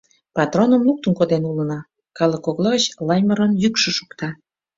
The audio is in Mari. Патроным луктын коден улына! — калык кокла гыч Лаймырын йӱкшӧ шокта.